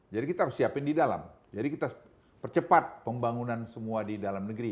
jadi kita harus siapin di dalam jadi kita percepat pembangunan semua di dalam negeri